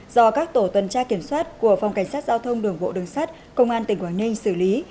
do các tổ tuần tra kiểm soát của phòng cảnh sát giao thông đường bộ đường sắt công an tỉnh quảng ninh xử lý